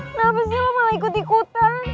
kenapa sih lo malah ikut ikutan